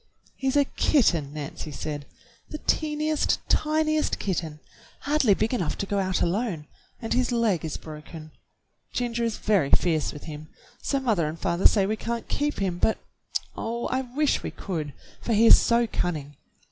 "He's a kitten," Nancy said. "The teentiest, tiniest kitten, hardly big enough to go out alone, and his leg is broken. Ginger is very fierce with him, so mother and father say we can't keep him, but, oh, I wish we could, for he is so cunning!